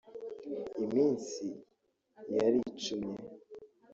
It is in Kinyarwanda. Iminsi yaricumye